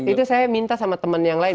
itu saya minta sama teman yang lain